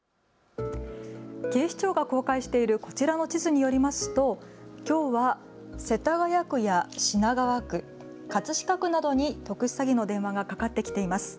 警視庁が公開しているこちらの地図によりますときょうは世田谷区や品川区、葛飾区などに特殊詐欺の電話がかかってきています。